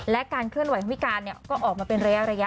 และการเคลื่อนไหวของพิการก็ออกมาเป็นระยะ